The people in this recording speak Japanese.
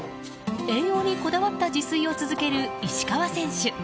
栄養にこだわった自炊を続ける石川選手。